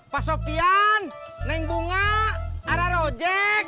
pak sofian naik bunga arah rojek